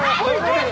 はい！